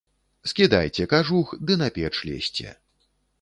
Скідайце кажух ды на печ лезьце.